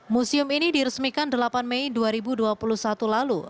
museum ini diresmikan delapan mei dua ribu dua puluh satu lalu